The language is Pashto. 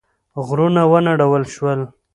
غرونه ونړول شول.